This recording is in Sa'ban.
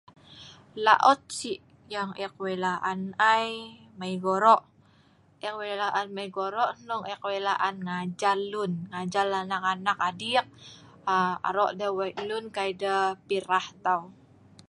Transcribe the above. Laot sii yang ek wik laan ai, mei gorok, ek wik laan mei gorok ngajar lun anak anak adiing arok deh wik lu'n kai deh pi rah tau